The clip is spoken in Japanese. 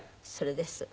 それです。